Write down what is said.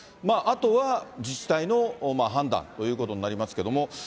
あとは自治体の判断ということになりますけども。